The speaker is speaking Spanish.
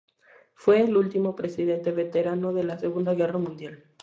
Fue el último presidente veterano de la Segunda Guerra Mundial.